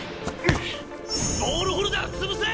ボールホルダー潰せ！